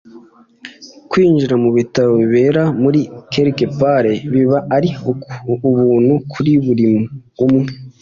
Kwinjira mu bitaramo bibera muri Quelque Part biba ari ubuntu kuri buri umwe